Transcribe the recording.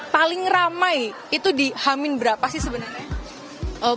paling ramai itu di hamin berapa sih sebenarnya